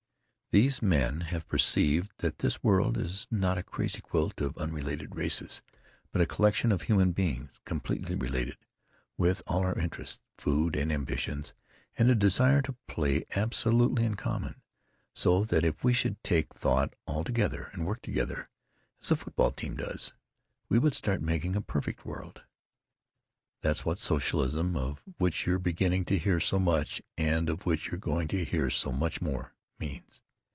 "These men have perceived that this world is not a crazy quilt of unrelated races, but a collection of human beings completely related, with all our interests—food and ambitions and the desire to play—absolutely in common; so that if we would take thought all together, and work together, as a football team does, we would start making a perfect world. "That's what socialism—of which you're beginning to hear so much, and of which you're going to hear so much more—means.